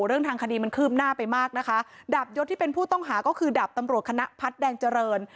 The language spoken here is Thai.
เรื่องทางคดีมันคืบหน้าไปมากนะคะดาบยศที่เป็นผู้ต้องหาก็คือดาบตำรวจคณะพัฒน์แดงเจริญ